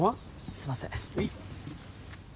すいませんほい